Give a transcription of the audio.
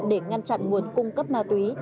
để ngăn chặn nguồn cung cấp ma túy